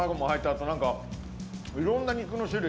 あと何かいろんな肉の種類。